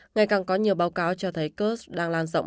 ngày càng có nhiều báo cáo cho thấy cơ sở đang lan rộng